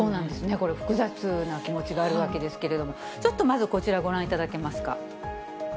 これ複雑な気持ちがあるわけですけれども、ちょっとまずこちらご覧いただけますか。